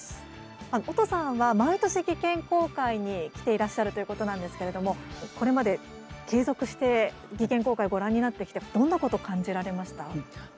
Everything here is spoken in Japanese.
音さんは毎年技研公開に来ていらっしゃるということなんですけれどもこれまで継続して技研公開ご覧になってきてどんなことを感じられました？